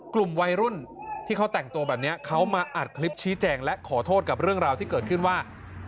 กลุ่มวัยรุ่นที่เขาแต่งตัวแบบนี้เขามาอัดคลิปชี้แจงและขอโทษกับเรื่องราวที่เกิดขึ้นว่า